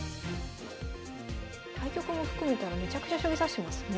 対局も含めたらめちゃくちゃ将棋指してますね。